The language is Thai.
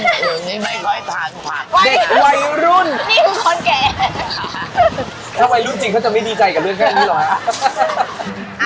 เด็กวัยรุ่นนี่คือคนแก่ถ้าวัยรุ่นจริงเขาจะไม่ดีใจกับเรื่องแค่นี้หรออ่ะ